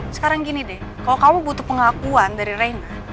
sekarang gini deh kalau kamu butuh pengakuan dari reina